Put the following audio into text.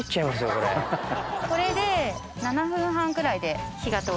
これで７分半ぐらいで火が通ります。